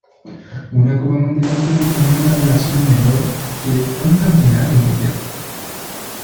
Una Copa Mundial suele tener una duración menor que un Campeonato Mundial.